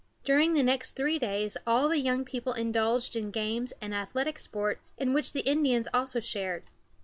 During the next three days all the young people indulged in games and athletic sports, in which the Indians also shared.